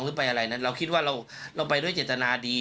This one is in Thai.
แล้วอาจารย์คิดว่ามันก็จะเกิดพลังงานบวกในสิ่งที่ดี